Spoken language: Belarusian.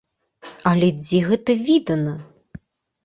Але дзе гэта відана!